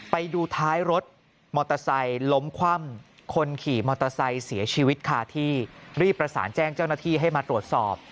ไปดูท้ายรถมอเตอร์ไซค์ล้มคว่ำคนขี่มอเตอร์ไซค์เสียชีวิตคาที่รีบประสานแจ้งเจ้าหน้าที่ให้มาตรวจสอบ